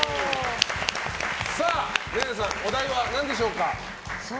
寧々さん、お題は何でしょうか。